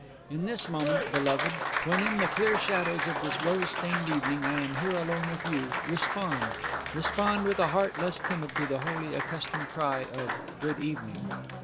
In this moment, beloved, when in the clear shadows of this rose stained evening I am here alone with you, Respond, respond with a heart less timid to the holy, accustomed cry of 'Good evening.